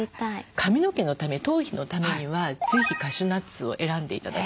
髪の毛のため頭皮のためにはぜひカシューナッツを選んで頂きたい。